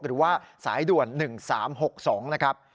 หรือว่าสายด่วน๑๓๖๒นะครับ